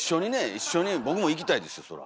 一緒に僕も行きたいですよそら。